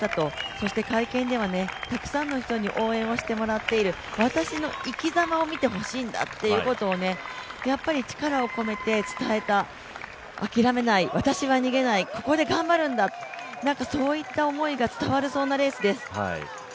そして、会見ではたくさんの人に応援してもらっている私の生きざまを見てほしいんだということを力を込めて伝えた、諦めない私は逃げない、ここで頑張るんだそういった思いが伝わるそんなレースです。